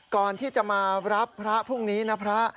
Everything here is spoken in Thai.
ก่อนที่จะมารับพระพรุ่งนี้นะพระ